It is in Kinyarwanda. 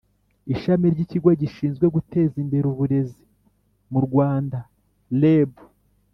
ishami ry’ikigo gishinzwe guteza imbere uburezi mu rwanda (reb)